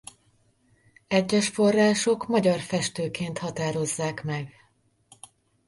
Egyes források magyar festőként határozzák meg.